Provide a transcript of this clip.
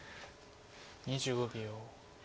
２５秒。